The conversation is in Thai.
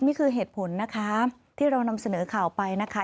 นี่คือเหตุผลนะคะที่เรานำเสนอข่าวไปนะคะ